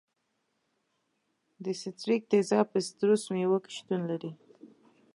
د ستریک تیزاب په سیتروس میوو کې شتون لري.